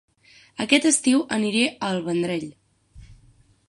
Aquest estiu aniré a El Vendrell